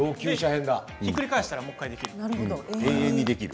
ひっくり返したらもう１回できます。